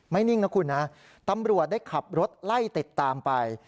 นิ่งนะคุณนะตำรวจได้ขับรถไล่ติดตามไป